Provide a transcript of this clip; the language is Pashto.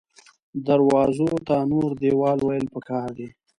دروازو ته نور دیوال ویل پکار دې